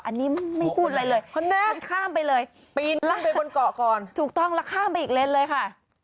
อันนี้ไม่พูดอะไรเลยเขาเดินข้ามไปเลยปีนลั่นไปบนเกาะก่อนถูกต้องแล้วข้ามไปอีกเลนเลยค่ะ